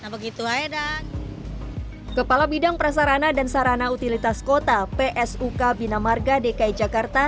nah begitu hai dan kepala bidang prasarana dan sarana utilitas kota psuk binamarga dki jakarta